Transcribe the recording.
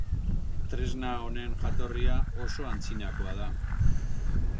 Tresna honen jatorria oso antzinakoa da.